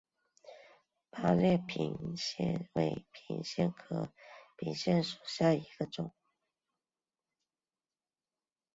八列平藓为平藓科平藓属下的一个种。